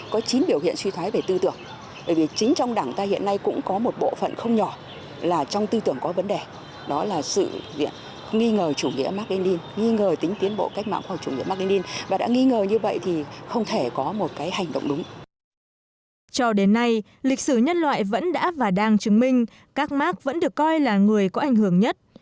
cho đến nay lịch sử nhân loại vẫn đã và đang chứng minh các mark vẫn được coi là người có ảnh hưởng nhất